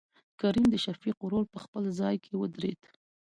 کريم دشفيق ورور په خپل ځاى کې ودرېد.